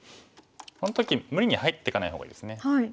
この時無理に入っていかない方がいいですね。